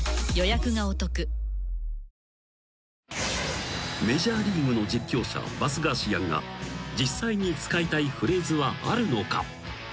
わかるぞ［メジャーリーグの実況者バスガーシアンが実際に使いたいフレーズはあるのか？］